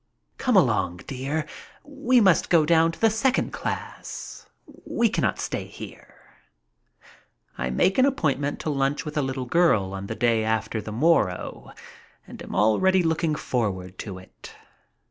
"Come along, dear, we must go down to the second class. We cannot stay here." I make an appointment to lunch with the little girl on the day after the morrow, and am already looking forward to it.